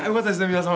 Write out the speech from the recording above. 皆様。